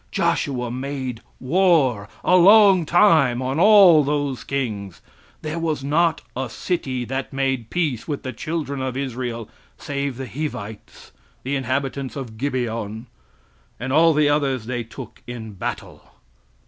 "Joshua made war a long time on all those kings. There was not a city that made peace with the children of Israel, save the Hivites, the inhabitants of Gibeon; all the others they took in battle.